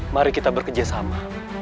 mari kita bekerjasama